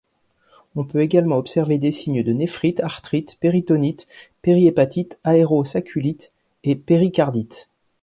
On peut également observer des signes de néphrite, arthrite, péritonite, péri-hépatite, aéro-sacculite et péricardite.